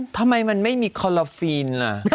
ทำไมมันไม่มีคอลลาฟีน